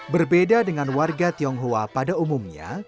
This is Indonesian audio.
berbeda dengan warga tionghoa pada umumnya